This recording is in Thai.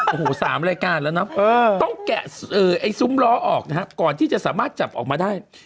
โอ้โห๓รายการแล้วนะต้องแกะไอ้ซุ้มล้อออกนะฮะก่อนที่จะสามารถจับออกมาได้